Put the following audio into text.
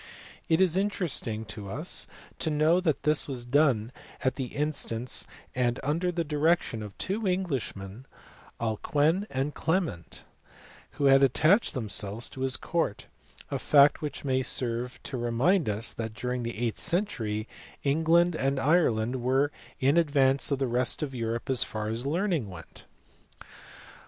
It is interest ing to us to know that this was done at the instance and under the direction of two Englishmen, Alcuin and Clement, who had attached themselves to his court; a fact which may serve to remind us that during the eighth century England and Ireland were in advance of the rest of Europe as far as learning went.